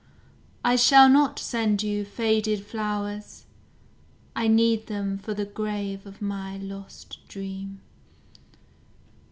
I shall not send you faded flowers I need them for the grave of my lost dream.